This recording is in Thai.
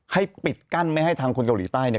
ให้ปิดกั้นไม่ให้ทางคนเกาหลีใต้